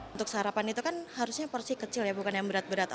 untuk sarapan itu kan harusnya porsi kecil ya bukan yang berat berat